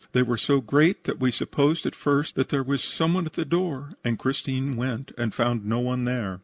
They were so great that we supposed at first that there was some one at the door, and Christine went and found no one there.